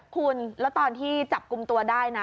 คุณแล้วตอนที่จับกลุ่มตัวได้นะ